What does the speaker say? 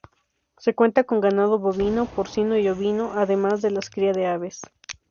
Se cuenta con ganado bovino, porcino y ovino, además de las cría de aves.